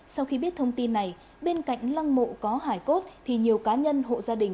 sau khi biết thông tin này bên cạnh lăng mộ có hải cốt thì nhiều cá nhân hộ gia đình